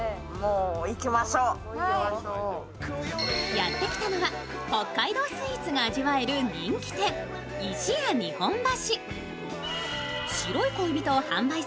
やってきたのは北海道スイーツが味わえる人気店・イシヤ日本橋。